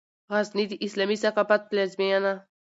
غزني د اسلامي ثقافت پلازمېنه